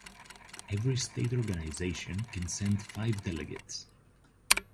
Every state organization can send five delegates.